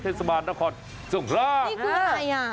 พอแบบที่นั่นก็บอกค่าถนนทุกอย่างอยู่ในสมมุติ